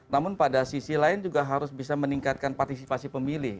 namun pada sisi lain juga harus bisa meningkatkan partisipasi pemilih